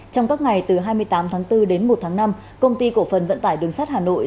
trong các ngày từ hai mươi tám tháng bốn đến một tháng năm công ty cổ phần vận tải đường sắt hà nội